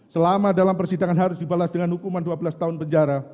selama dalam persidangan harus dibalas dengan hukuman dua belas tahun penjara